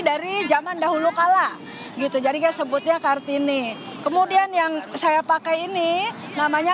dari zaman dahulu kala gitu jadi kayak sebutnya kartini kemudian yang saya pakai ini namanya